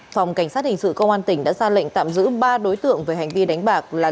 phòng cảnh sát hình sự công an tỉnh đã ra lệnh tạm giữ ba đối tượng về hành vi đánh bạc là